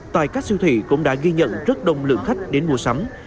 tại các siêu thị cũng đã ghi nhận rất đông lượng khách đến mua sắm